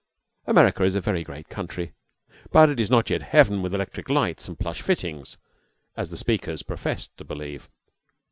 America is a very great country, but it is not yet heaven, with electric lights and plush fittings, as the speakers professed to believe.